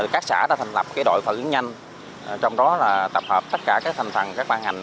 các xã đã thành lập đội phản ứng nhanh trong đó là tập hợp tất cả các thành phần các ban ngành